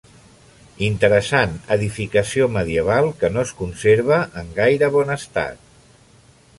Interessant edificació medieval que no es conserva en gaire bon estat.